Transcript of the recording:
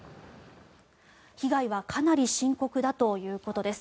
被害はかなり深刻だということです。